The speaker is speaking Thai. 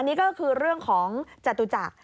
นี่ก็คือเรื่องของจตุจักร